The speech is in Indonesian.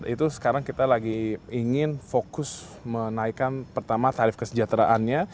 itu sekarang kita lagi ingin fokus menaikkan pertama tarif kesejahteraannya